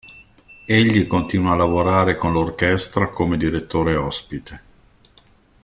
Egli continua a lavorare con l'orchestra come direttore ospite.